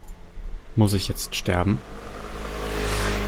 Muss ich jetzt sterben?